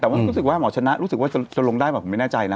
แต่ว่ารู้สึกว่าหมอชนะรู้สึกว่าจะลงได้ป่ะผมไม่แน่ใจนะ